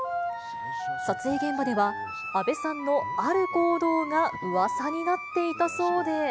撮影現場では、阿部さんのある行動がうわさになっていたそうで。